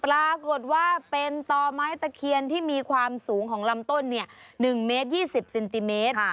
ปรากฏว่าเป็นต่อไม้ตะเคียนที่มีความสูงของลำต้น๑เมตร๒๐เซนติเมตร